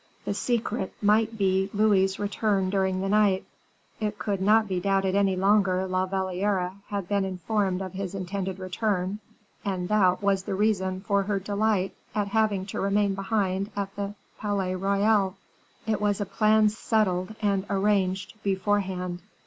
The secret might be Louis's return during the night; it could not be doubted any longer La Valliere had been informed of his intended return, and that was the reason for her delight at having to remain behind at the Palais Royal. It was a plan settled and arranged beforehand.